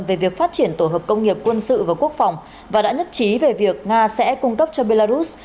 về việc phát triển tổ hợp công nghiệp quân sự và quốc phòng và đã nhất trí về việc nga sẽ cung cấp cho belarus